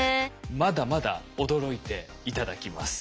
まだまだ驚いて頂きます。